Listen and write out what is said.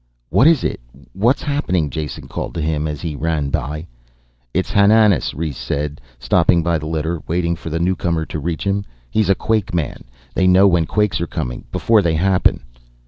"What is it? What's happening?" Jason called to him as he ran by. "It's Hananas," Rhes said, stopping by the litter, waiting for the newcomer to reach him. "He's a quakeman. They know when quakes are coming, before they happen."